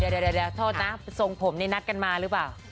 เดี๋ยวโทษนะทรงผมนี่นัดกันมาหรือเปล่า